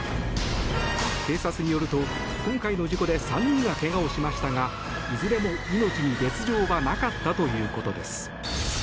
警察によると、今回の事故で３人がけがをしましたがいずれも命に別条はなかったということです。